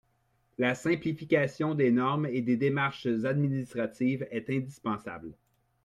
La simplification des normes et des démarches administratives est indispensable.